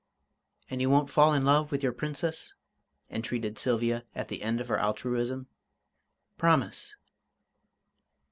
"And you won't fall in love with your Princess?" entreated Sylvia, at the end of her altruism. "Promise!"